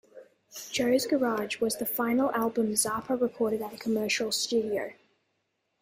"Joe's Garage" was the final album Zappa recorded at a commercial studio.